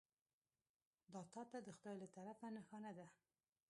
دا تا ته د خدای له طرفه نښانه ده .